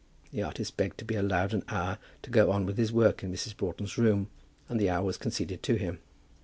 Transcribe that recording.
The artist begged to be allowed an hour to go on with his work in Mrs. Broughton's room, and the hour was conceded to him.